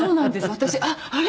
私あっあれ？